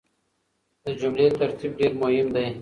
د جملې ترتيب ډېر مهم دی.